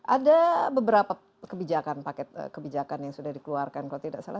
ada beberapa kebijakan paket kebijakan yang sudah dikeluarkan kalau tidak salah